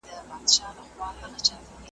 ـ هغه چ د نورو نه خوښېږي